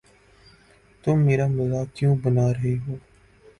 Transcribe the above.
تم میرا مزاق کیوں بنا رہے ہو؟